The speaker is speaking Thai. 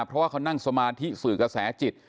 เพราะว่าเขานั่งสมาธิสื่อกระแสจิต